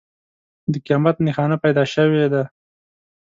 د قیامت نښانه پیدا شوې ده.